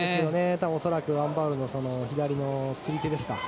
多分アン・バウルの左の釣り手ですか。